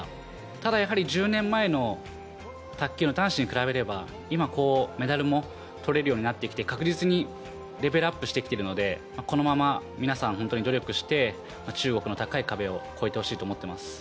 ただやはり、１０年前の卓球の男子に比べれば今、メダルも取れるようになってきて確実にレベルアップしてきているのでこのまま皆さん努力して中国の高い壁を越えてほしいと思っています。